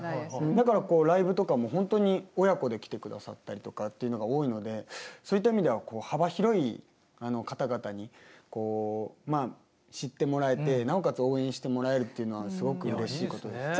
だからこうライブとかも本当に親子で来てくださったりとかっていうのが多いのでそういった意味では幅広い方々にまあ知ってもらえてなおかつ応援してもらえるっていうのはすごくうれしいことですね。